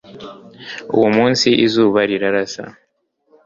Uwo munsi izuba rirasira.